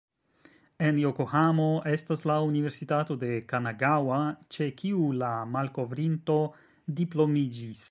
En Jokohamo estas la Universitato de Kanagaŭa, ĉe kiu la malkovrinto diplomiĝis.